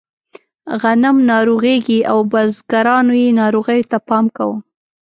غنم ناروغېږي او بزګرانو یې ناروغیو ته پام کاوه.